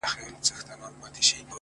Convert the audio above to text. • هم مرغان هم څلور بولي یې خوړله ,